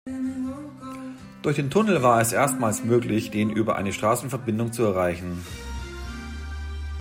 Durch den Tunnel war es erstmals möglich den über eine Straßenverbindung zu erreichen.